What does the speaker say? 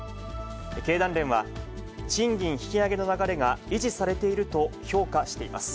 経団連は、賃金引き上げの流れが維持されていると評価しています。